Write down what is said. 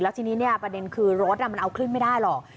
ทีนี้ประเด็นคือรถมันเอาขึ้นไม่ได้หรอก